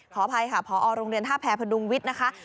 ขออภัยค่ะพอโรงเรียนท่าแพรพดุงวิทย์นะคะ